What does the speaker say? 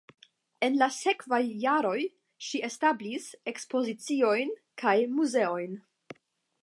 En la sekvaj jaroj ŝi establis ekspoziciojn kaj muzeojn.